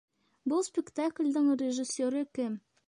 Был спектеклдең режиссеры кем?